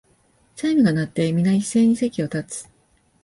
チャイムが鳴って、みな一斉に席を立つ